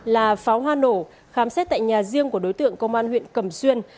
là pháo hoa nổ khám xét tại nhà riêng của đối tượng công an huyện cầm xuyên